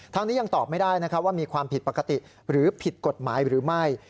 นี้ยังตอบไม่ได้ว่ามีความผิดปกติหรือผิดกฎหมายหรือไม่